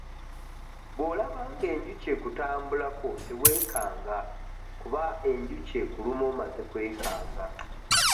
Bw'olaba ng'enjuki ekutambulako teweekanga kuba enjuki ekuluma omaze kwekanga.